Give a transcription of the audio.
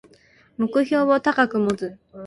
目標を高く持つ